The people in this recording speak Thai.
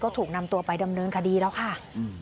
ถูกนำตัวไปดำเนินคดีแล้วค่ะ